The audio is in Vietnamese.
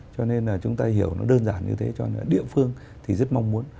cho nên là chúng ta hiểu nó đơn giản như thế cho địa phương thì rất mong muốn